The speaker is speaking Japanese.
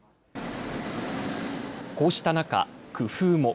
こうした中、工夫も。